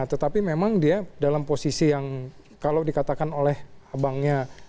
tetapi memang dia dalam posisi yang kalau dikatakan oleh abangnya